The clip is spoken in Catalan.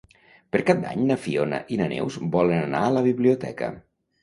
Per Cap d'Any na Fiona i na Neus volen anar a la biblioteca.